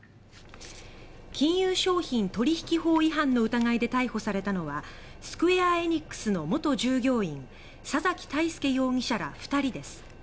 金融商品取引法違反の疑いで逮捕されたのはスクウェア・エニックスの元従業員佐崎泰介容疑者ら２人です。